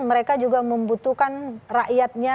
mereka juga membutuhkan rakyatnya